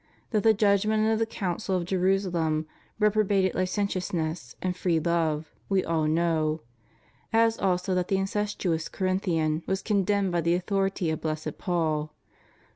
That the judgment of the Council of Jerusalem reprobated Ucentious and free love,^ we all know; as also that the incestuous Corinthian was condemned by the authority of blessed Paul.